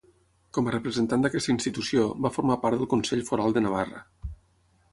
Com a representant d'aquesta institució, va formar part del Consell Foral de Navarra.